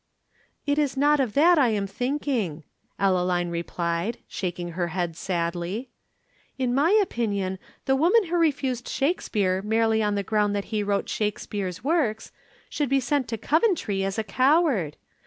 "It is not of that I am thinking," Ellaline replied, shaking her head sadly. "In my opinion the woman who refused Shakespeare merely on the ground that he wrote Shakespeare's works, should be sent to Coventry as a coward.